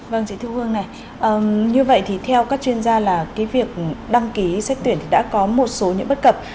vâng chị thư hương này như vậy thì theo các chuyên gia là việc đăng ký xét tuyển đã có một số những bất cập